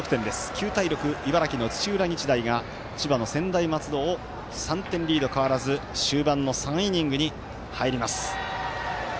９対６、茨城の土浦日大が千葉の専大松戸を３点リード変わらず終盤の３イニングに入ります。